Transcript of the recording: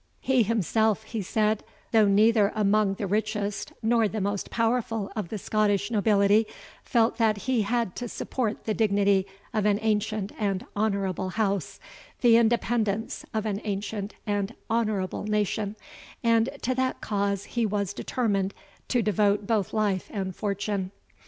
He himself," he said, "though neither among the richest nor the most powerful of the Scottish nobility, felt that he had to support the dignity of an ancient and honourable house, the independence of an ancient and honourable nation, and to that cause he was determined to devote both life and fortune.